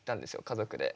家族で。